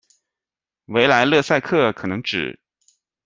维莱勒塞克可能指：